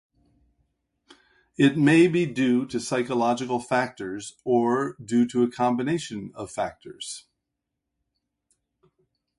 It may be due to psychological factors or due to a combination of factors.